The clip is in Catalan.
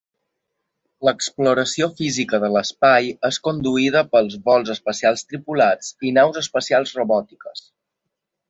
L'exploració física de l'espai és conduïda pels vols espacials tripulats i naus espacials robòtiques.